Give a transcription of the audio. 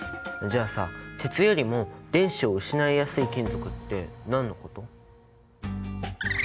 じゃあさ鉄よりも電子を失いやすい金属って何のこと？